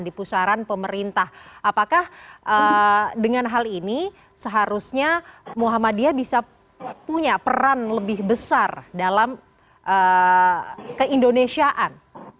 di pusaran pemerintah apakah dengan hal ini seharusnya muhammadiyah bisa punya peran lebih besar dalam keindonesiaan